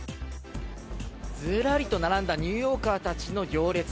ずらりと並んだニューヨーカーたちの行列。